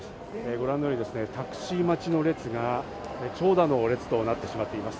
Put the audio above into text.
ご覧のようにタクシー待ちの列が長蛇の列となってしまっています。